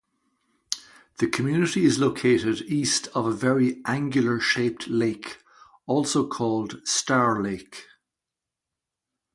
The community is located east of a very angular-shaped lake, also called Star Lake.